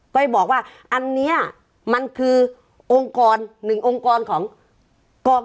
้อยบอกว่าอันนี้มันคือองค์กรหนึ่งองค์กรของกอง